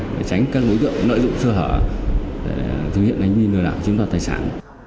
để tránh các đối tượng nợ dụng sơ hở để thực hiện lãnh viên lừa đảo chiếm đoạt tài sản